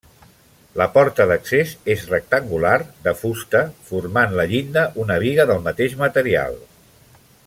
La porta d'accés és rectangular, de fusta, formant la llinda una biga del mateix material.